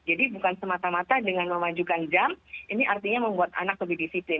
jadi bukan semata mata dengan memajukan jam ini artinya membuat anak lebih disiplin